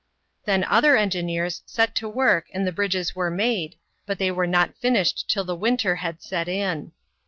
Then other engineers set to work and the bridges were made, but they were not finished till the winter had set in.